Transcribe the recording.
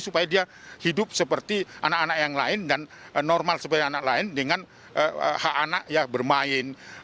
supaya dia hidup seperti anak anak yang lain dan normal seperti anak lain dengan hak anak ya bermain